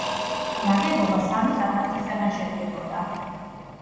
ნაგებობა სამი სათავსისაგან შედგებოდა.